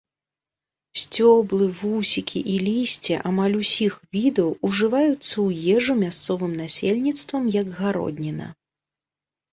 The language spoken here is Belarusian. Сцёблы, вусікі і лісце амаль усіх відаў ўжываюцца ў ежу мясцовым насельніцтвам як гародніна.